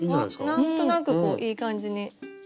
何となくこういい感じに。